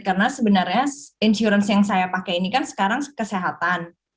karena sebenarnya insuransi yang saya pakai ini kan sekarang kesehatan